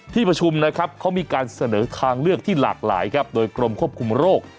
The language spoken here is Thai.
ที่ประชุมนะครับเขามีการเสนอทางเลือกที่หลากหลายครับโดยกรมควบคุมโรค